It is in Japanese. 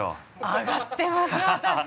アガってます私！